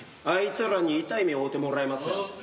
あいつらに痛い目遭うてもらいますわ。